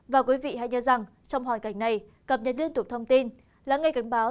và quý vị hãy nhớ rằng trong hoàn cảnh này cập nhật liên tục thông tin lắng ngay cảnh báo